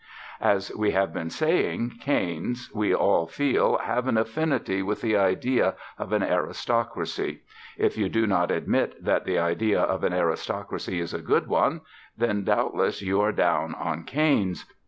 As we have been saying, canes, we all feel, have an affinity with the idea of an aristocracy. If you do not admit that the idea of an aristocracy is a good one, then doubtless you are down on canes.